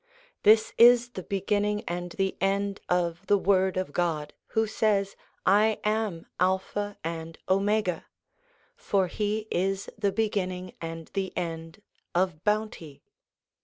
This is the beginning and the end of the Word of God, who says :' I am Alpha and Omega '; for He is the beginning and the end of Bounty.